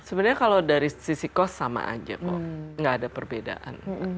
sebenarnya kalau dari sisi kos sama aja kok nggak ada perbedaan